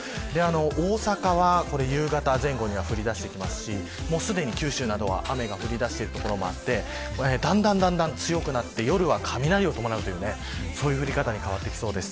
大阪は夕方前後には降り出してきますしもうすでに九州などは雨が降りだしてきている所もあって、だんだん強くなって夜は雷を伴う、そういう降り方に変わってきそうです。